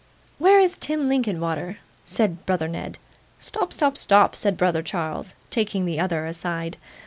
'Where is Tim Linkinwater?' said brother Ned. 'Stop, stop, stop!' said brother Charles, taking the other aside.